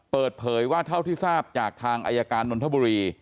เปิดเผยว่าเท่าที่ทราบจากทางอายการนนทบุรี